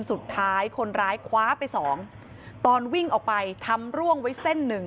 สุดท้ายคนร้ายคว้าไปสองตอนวิ่งออกไปทำร่วงไว้เส้นหนึ่ง